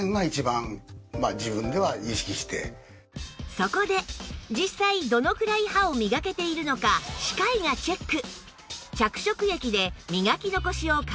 そこで実際どのくらい歯を磨けているのか歯科医がチェック